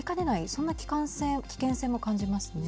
そんな危険性も感じますね。